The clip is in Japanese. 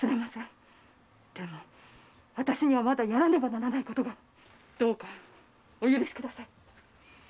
でもあたしにはまだやらねばならぬことがお許しください。